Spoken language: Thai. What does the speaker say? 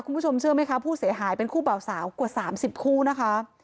คุณผู้ชมเชื่อไหมคะผู้เสียหายเป็นคู่เบาสาวกว่า๓๐คู่นะคะ